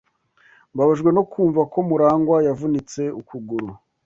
Mbabajwe no kumva ko Murangwa yavunitse ukuguru.